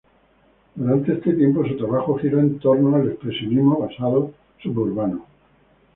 Durante este tiempo, su trabajo giró en torno al expresionismo basado suburbano.